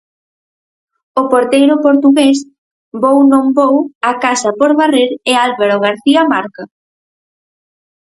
O porteiro portugués, vou non vou, a casa por varrer e Álvaro García marca.